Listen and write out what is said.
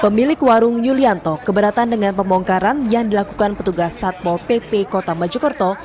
pemilik warung yulianto keberatan dengan pembongkaran yang dilakukan petugas satpol pp kota mojokerto